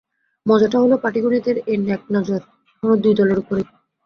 মজাটা হলো, পাটিগণিতের এই নেকনজর এখনো এই দুই দলের ওপরেই।